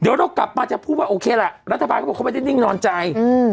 เดี๋ยวเรากลับมาจะพูดว่าโอเคล่ะรัฐบาลเขาบอกเขาไม่ได้นิ่งนอนใจอืม